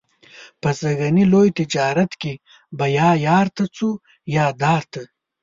په سږني لوی تجارت کې به یا یار ته څو یا دار ته.